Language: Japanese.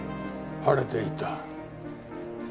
晴れていた。